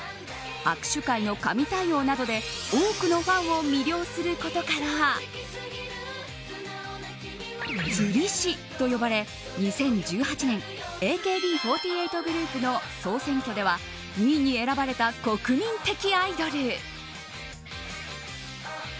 握手会の神対応などで多くのファンを魅了することから釣り師と呼ばれ、２０１８年ＡＫＢ４８グループの総選挙では２位に選ばれた国民的アイドル。